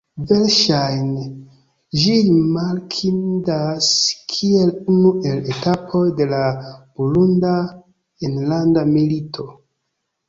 Verŝajne, ĝi rimarkindas kiel unu el etapoj de la Burunda enlanda milito.